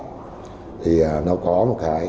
thì nó có một cái